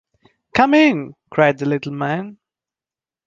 ‘Come in!’ cried the little man.